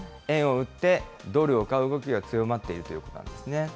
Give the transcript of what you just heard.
円を売って、ドルを買う動きが強まっているということなんですね。